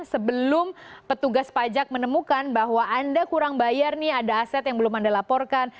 sebelum petugas pajak menemukan bahwa anda kurang bayar nih ada aset yang belum anda laporkan